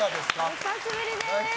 お久しぶりです。